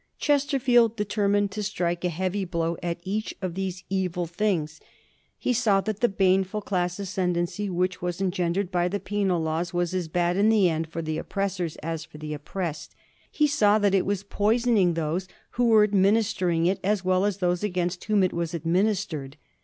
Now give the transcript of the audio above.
Chesterfield determined to strike a heavy blow at each of these evil things. He saw that the baneful class ascen dency which was engendered by the Penal Laws was as bad in the end for the oppressors as for the oppressed. He saw that it was poisoning those who were administer ing it as well as those against whom it was administered.